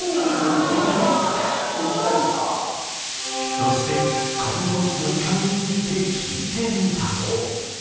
そして今後のドリカムについて聞いてみた。